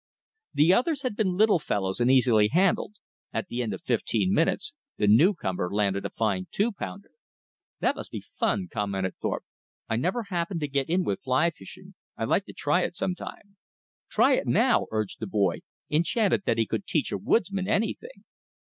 The others had been little fellows and easily handled. At the end of fifteen minutes the newcomer landed a fine two pounder. "That must be fun," commented Thorpe. "I never happened to get in with fly fishing. I'd like to try it sometime." "Try it now!" urged the boy, enchanted that he could teach a woodsman anything.